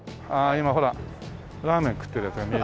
今ほらラーメン食ってるヤツが見える。